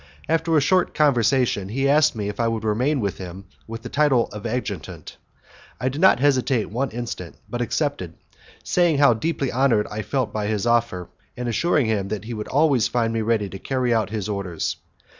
After a short conversation, he asked me if I would remain with him with the title of adjutant. I did not hesitate one instant, but accepted, saying how deeply honoured I felt by his offer, and assuring him that he would always find me ready to carry out his orders.